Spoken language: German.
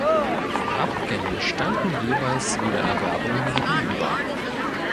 Abgängen standen jeweils wieder Erwerbungen gegenüber.